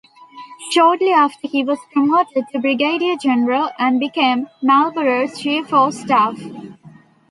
Shortly after he was promoted to Brigadier General and became Marlborough's Chief of Staff.